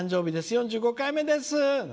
４５回目です」。